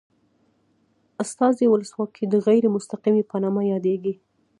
استازي ولسواکي د غیر مستقیمې په نامه یادیږي.